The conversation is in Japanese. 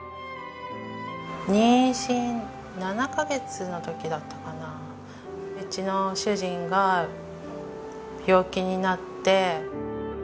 妊娠７カ月の時だったかなうちの主人が病気になって。